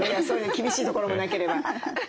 そういう厳しいところもなければ。